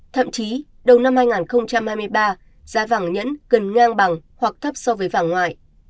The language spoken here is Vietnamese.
thậm chí đầu năm hai nghìn hai mươi ba giá vàng nhẫn cần ngang bằng hoặc thấp so với vàng ngoại